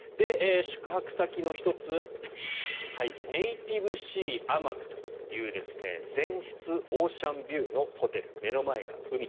宿泊先の１つネイティブシー奄美という全室オーシャンビューのホテル目の前が海。